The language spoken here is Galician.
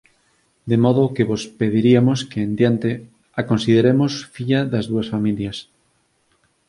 De modo que vos pediriamos que en diante a consideremos filla das dúas familias.